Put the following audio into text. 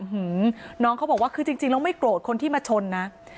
น้องเขาบอกว่าคือจริงแล้วไม่โกรธคนที่มาชนนะ